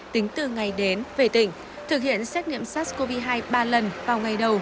tính từ ngày đến về tỉnh thực hiện xét nghiệm sars cov hai ba lần vào ngày đầu